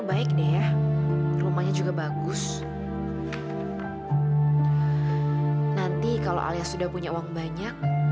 sampai jumpa di video selanjutnya